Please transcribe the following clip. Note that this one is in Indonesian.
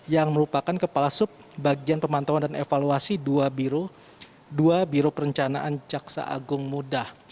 yang merupakan kepala sub bagian pemantauan dan evaluasi dua biro perencanaan jaksa agung muda